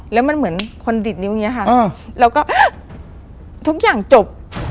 แล้วมันเหมือนคนดิดนิ้วอย่างนี้ค่ะเราก็ทุกอย่างจบ